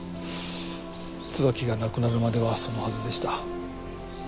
椿が亡くなるまではそのはずでした。